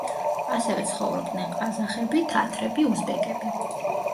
ასევე ცხოვრობდნენ ყაზახები, თათრები, უზბეკები.